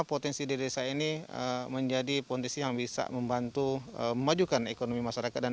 potensi di desa ini menjadi potensi yang bisa membantu memajukan ekonomi masyarakat dan